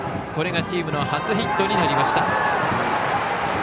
これがチームの初ヒットになりました。